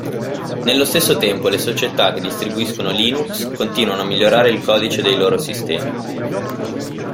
Nello stesso tempo le società che distribuiscono Linux, continuano a migliorare il codice dei loro sistemi.